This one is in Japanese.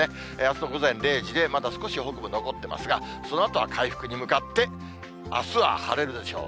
あすの午前０時で、まだ少し北部残ってますが、そのあとは回復に向かって、あすは晴れるでしょう。